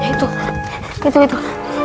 itu itu itu